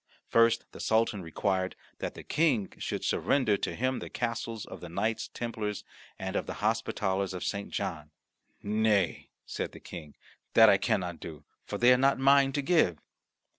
First the Sultan required that the King should surrender to him the castles of the Knights Templars and of the Hospitallers of St. John. "Nay," said the King, "that I cannot do, for they are not mine to give."